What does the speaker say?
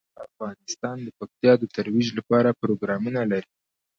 افغانستان د پکتیا د ترویج لپاره پروګرامونه لري.